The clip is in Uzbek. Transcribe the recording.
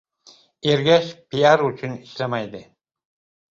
Ergash piar uchun ishlamaydi.